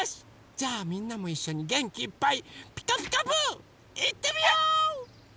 じゃあみんなもいっしょにげんきいっぱい「ピカピカブ！」いってみよう！